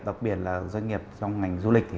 đặc biệt là doanh nghiệp trong ngành du lịch